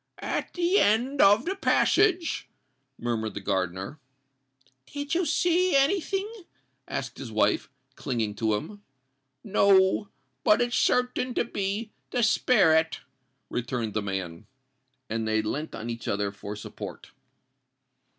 "At the end of the passage——" murmured the gardener. "Do you see any thing?" asked his wife, clinging to him. "No—but it's certain to be the sperret," returned the man. And they leant on each other for support.